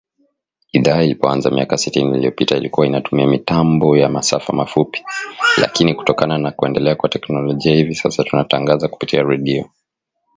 Idhaa ilipoanza miaka sitini iliyopita ilikua inatumia mitambo ya masafa mafupi, lakini kutokana na kuendelea kwa teknolojia hivi sasa tunatangaza kupitia redio